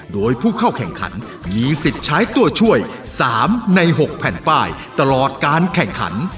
โดยผู้เข้าแข่งขันมีสิทธิ์ใช้ตัวช่วย๓ใน๖แผ่นป้ายตลอดการแข่งขัน